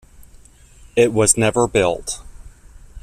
It was never built.